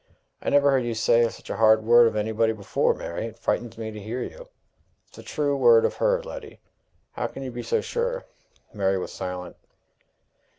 "I never heard you say such a hard word of anybody before, Mary! It frightens me to hear you." "It's a true word of her, Letty." "How can you be so sure?" Mary was silent.